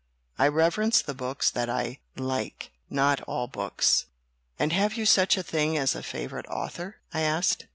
I reverence the books that I like, not all books." "And have you such a thing as a favorite author?" I asked.